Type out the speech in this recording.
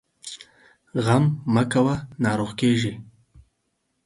غم مه کوه ، ناروغ کېږې!